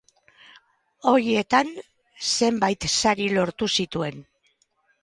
Horietan, zenbait sari lortu zituen.